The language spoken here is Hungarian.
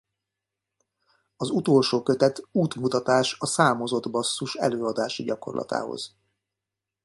Az utolsó kötet útmutatás a számozott basszus előadási gyakorlatához.